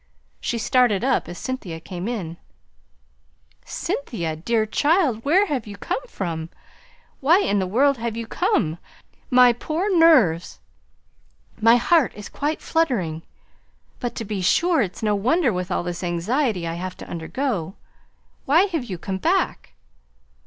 She started up as Cynthia came in: "Cynthia! Dear child, where have you come from? Why in the world have you come? My poor nerves! My heart is quite fluttering; but, to be sure, it's no wonder with all this anxiety I have to undergo. Why have you come back?"